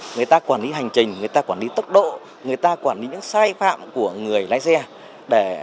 người ta quản lý hành trình người ta quản lý tốc độ người ta quản lý những sai phạm của người lái xe